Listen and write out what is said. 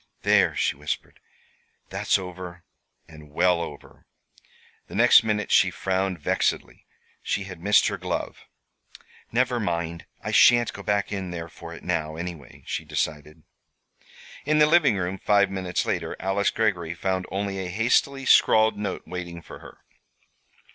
"There," she whispered; "that's over and well over!" The next minute she frowned vexedly. She had missed her glove. "Never mind! I sha'n't go back in there for it now, anyway," she decided. In the living room, five minutes later, Alice Greggory found only a hastily scrawled note waiting for her.